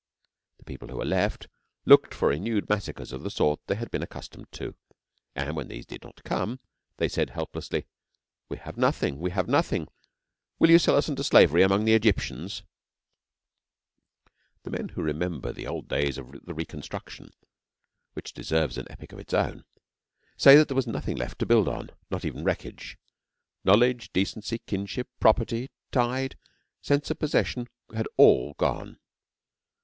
The people who were left looked for renewed massacres of the sort they had been accustomed to, and when these did not come, they said helplessly: 'We have nothing. We are nothing. Will you sell us into slavery among the Egyptians?' The men who remember the old days of the Reconstruction which deserves an epic of its own say that there was nothing left to build on, not even wreckage. Knowledge, decency, kinship, property, tide, sense of possession had all gone.